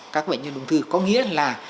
các bệnh nhân ung thư có nghĩa là